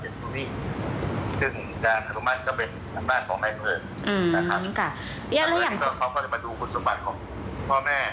อืมนี่ค่ะแล้วเรื่องที่เขามาดูคุณสมบัติของพ่อแม่